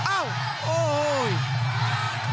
อะอ้าวโอ้โห้